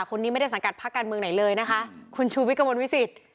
คนนี้ไม่ได้สังกัดพระการเมืองไหนเลยนะคะคุณชูวิกมนต์วิสิทธิ์